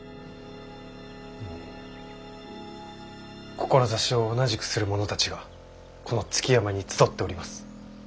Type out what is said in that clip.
志を同じくする者たちがこの築山に集っております。